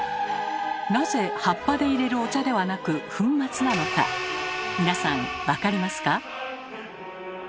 なぜ葉っぱでいれるお茶ではなく粉末なのか皆さん分かりますか？